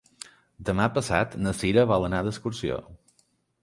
Demà passat na Cira vol anar d'excursió.